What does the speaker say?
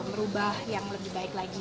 merubah yang lebih baik lagi